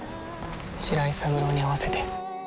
白井三郎に会わせて。